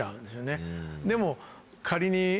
でも仮に。